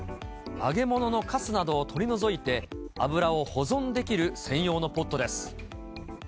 揚げ物のかすなどを取り除いて、油を保存できる専用のポットです。